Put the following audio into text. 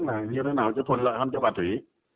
là như thế nào cho thuận lợi hơn cho bà thúy